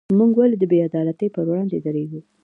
موږ ولې د بې عدالتۍ پر وړاندې دریږو؟